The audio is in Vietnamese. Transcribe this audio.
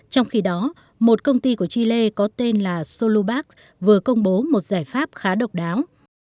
trong khi đó một công ty của chile có tên là solubax vừa công bố một giải pháp khá độc đáo